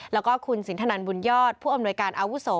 แล้วก็คุณสินทนันบุญยอดผู้อำนวยการอาวุโส